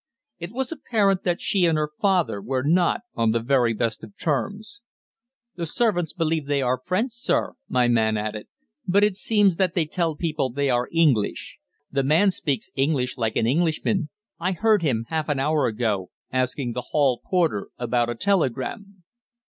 It was apparent that she and her father were not on the very best of terms. "The servants believe they are French, sir," my man added; "but it seems that they tell people they are English. The man speaks English like an Englishman. I heard him, half an hour ago, asking the hall porter about a telegram."